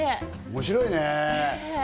面白いね。